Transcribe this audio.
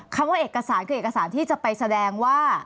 คำว่าเอกสารคือเอกสารที่จะไปแสดงว่า